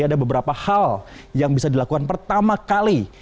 ada beberapa hal yang bisa dilakukan pertama kali